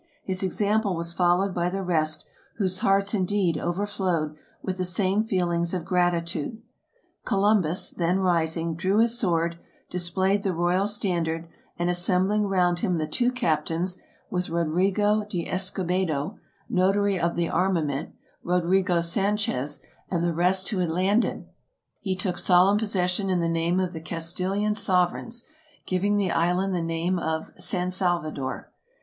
His example was followed by the rest, whose hearts indeed overflowed with the same feelings of gratitude. Columbus, then rising, drew his sword, dis played the royal standard, and assembling round him the two captains, with Rodrigo de Escobedo, notary of the armament, Rodrigo Sanchez, and the rest who had landed, he took solemn possession in the name of the Castiiian sover eigns, giving the island the name of San Salvador.